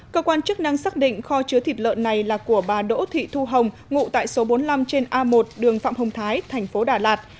cơ quan chức năng xác định kho chứa thịt lợn này là của bà đỗ thị thu hồng ngụ tại số bốn mươi năm trên a một đường phạm hồng thái thành phố đà lạt